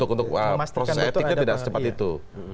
untuk proses etiknya tidak secepat itu